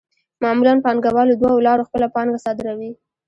معمولاً پانګوال له دوو لارو خپله پانګه صادروي